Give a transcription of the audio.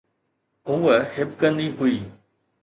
هوءَ هٻڪندي هئي.